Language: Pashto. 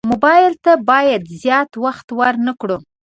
موبایل ته باید زیات وخت ورنه کړو.